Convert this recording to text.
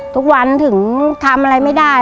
ทุกวันถึงทำอะไรไม่ได้